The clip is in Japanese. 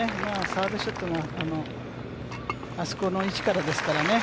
サードショットも、あそこの位置からですからね。